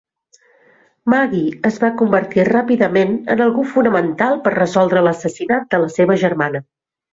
Maggie es va convertir ràpidament en algú fonamental per resoldre l'assassinat de la seva germana.